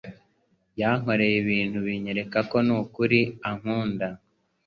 Yankoreye ibintu binyereka ko nukuri arankunda